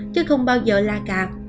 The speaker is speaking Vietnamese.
chứ không bao giờ la cạp